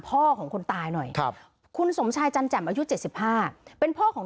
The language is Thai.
พ่อของคนตายหน่อยครับคุณสมชายจันแจ่มอายุ๗๕เป็นพ่อของ